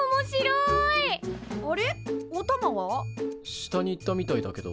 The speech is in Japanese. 下に行ったみたいだけど。